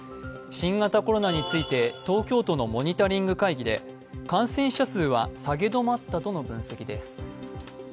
新型コロナについて、東京都のモニタリング会議で感染者数は下げ止まったとの分析です。